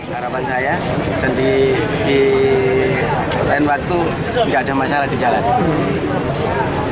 harapan saya dan di lain waktu tidak ada masalah di jalan